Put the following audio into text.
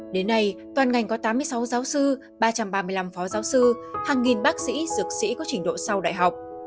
đến nay toàn ngành có tám mươi sáu giáo sư ba trăm ba mươi năm phó giáo sư hàng nghìn bác sĩ dược sĩ có trình độ sau đại học